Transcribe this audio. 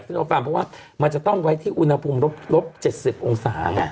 เพราะว่ามันจะต้องไว้ที่อุณหภูมิลบ๗๐องศา